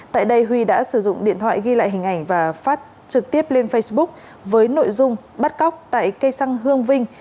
tại đây huy đã sử dụng điện thoại ghi lại hình ảnh và phát trực tiếp lên facebook với nội dung bắt cóc tại cây xăng hương vinh